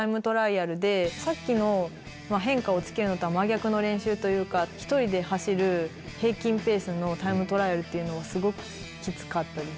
さっきの。の練習というか１人で走る平均ペースのタイムトライアルっていうのはすごくキツかったです。